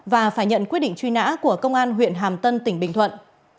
và phải nhận quyết định truy nã của công an huyện hàm tân tỉnh bình thuận